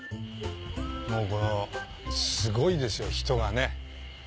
もうこのすごいですよ人がね。